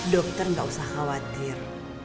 dokter enggak usah khawatir